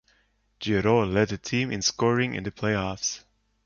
Giroux led the team in scoring in the playoffs.